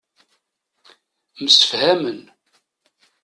Msefhamen.